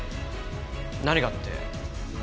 何かって？